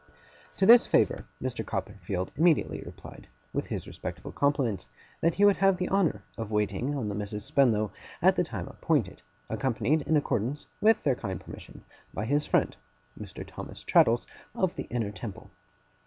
To this favour, Mr. Copperfield immediately replied, with his respectful compliments, that he would have the honour of waiting on the Misses Spenlow, at the time appointed; accompanied, in accordance with their kind permission, by his friend Mr. Thomas Traddles of the Inner Temple.